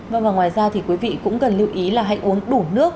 và ngoài ra quý vị cũng cần lưu ý là hãy uống đủ nước